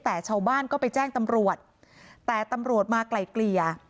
แต่ชาวบ้านก็ไปแจ้งตำรวจแต่ตำรวจมาไกลเกลี่ย